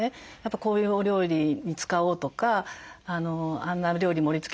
こういうお料理に使おうとかあんなお料理盛りつけたらすてきだろうな。